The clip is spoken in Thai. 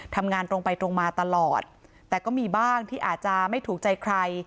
ทำงานตรงไปตรงมาตลอดแต่ก็มีบ้างที่อาจจะไม่ถูกใจใคร